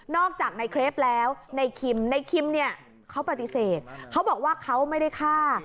อกจากในเครปแล้วในคิมในคิมเนี่ยเขาปฏิเสธเขาบอกว่าเขาไม่ได้ฆ่า